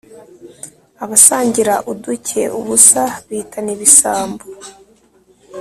Abasangira uduke (ubusa) bitana ibisambo.